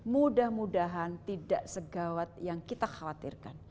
mudah mudahan tidak segawat yang kita khawatirkan